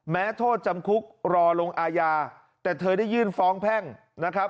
แม้โทษจำคุกรอลงอาญาแต่เธอได้ยื่นฟ้องแพ่งนะครับ